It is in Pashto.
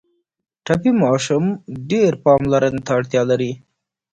ټپي ماشوم ډېر پاملرنې ته اړتیا لري.